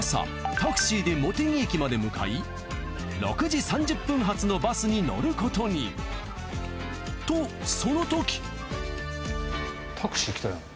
タクシーで茂木駅まで向かい６時３０分発のバスに乗ることに。とそのとき！